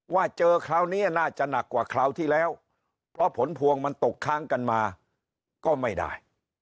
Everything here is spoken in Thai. ว่าเจอคราวนี้น่าจะหนักกว่าคราวที่แล้วเพราะผลพวงมันตกค้างกันมาก็ไม่ได้